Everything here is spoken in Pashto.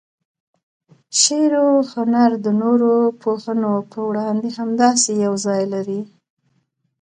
شعر و هنر د نورو پوهنو په وړاندې همداسې یو ځای لري.